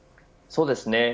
そうですね。